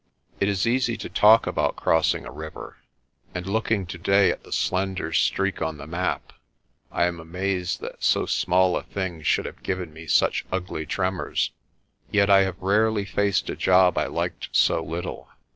It is easy to talk about crossing a river, and looking to day at the slender streak on the map I am amazed that so small a thing should have given me such ugly tremors. Yet I have rarely faced a job I liked so little.